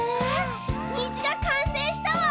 にじがかんせいしたわ。